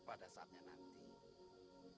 pada saatnya nanti